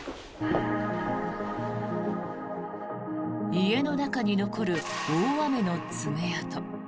家の中に残る大雨の爪痕。